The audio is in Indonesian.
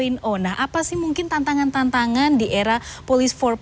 nah apa sih mungkin tantangan tantangan di era polis empat